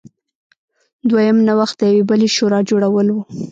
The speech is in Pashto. دویم نوښت د یوې بلې شورا جوړول و.